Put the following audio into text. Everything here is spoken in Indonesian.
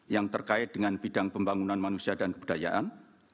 yang terkait dengan bidang pembangunan manusia dan kebudayaan